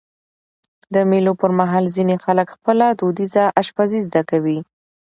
د مېلو پر مهال ځيني خلک خپله دودیزه اشپزي زده کوي.